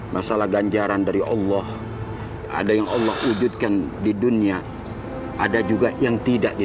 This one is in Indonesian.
masalah ganjaran dari allah ada yang allah wujudkan di dunia ada juga yang tidak di